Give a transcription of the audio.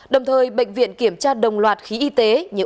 đồng thời bệnh viện kiểm tra đồng loạt